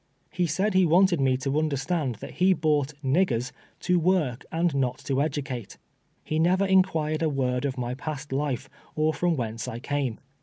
lie said lie wanted nie to understand that lie bought " niggers" to work and not to cdueate. Ho never inquired a word of my past life, or from whence I came.